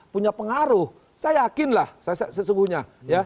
punya pengaruh saya yakin lah saya sesungguhnya